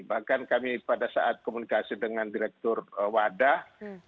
bahkan kami pada saat komunikasi dengan direktur wadah